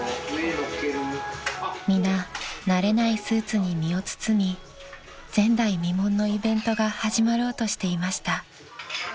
［皆慣れないスーツに身を包み前代未聞のイベントが始まろうとしていました］